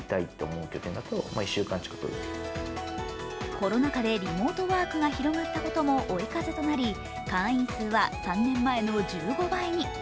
コロナ禍でリモートワークが広がったことも追い風となり、会員数は３年前の１５倍に。